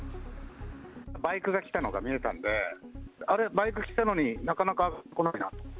バイクが来たのが見えたんで、あれ、バイク来たのに、なかなか来ないなと。